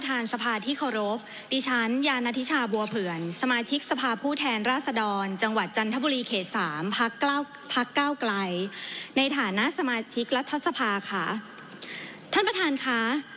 สามพักเก้าพักเก้าไกลในฐานะสมาชิกรัฐศพาค่ะท่านประธานค่ะ